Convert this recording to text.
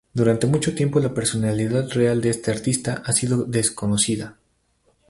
Durante mucho tiempo la personalidad real de este artista ha sido desconocida.